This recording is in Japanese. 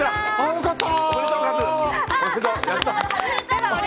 良かった。